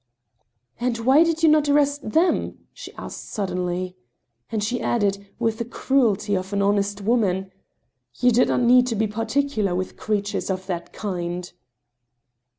" And why did you not arrest them ?" she asked suddenly. And she added, with the cruelty of an honest woman :" You did not need to be particular with creatures of that kind